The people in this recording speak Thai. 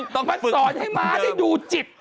ต้องมาฝึกสอนให้ม้าได้ดูจิต